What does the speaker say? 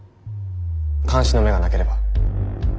監視の目がなければ。